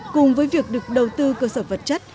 cùng với việc được đầu tư cơ sở vật chất